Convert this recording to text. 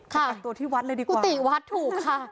กักตัวที่วัดเลยดีกว่ากุฏิวัดถูกค่ะ